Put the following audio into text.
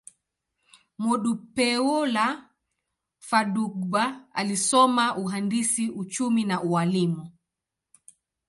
Modupeola Fadugba alisoma uhandisi, uchumi, na ualimu.